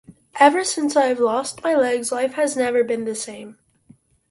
Ever since I've lost my legs, life has never been the same.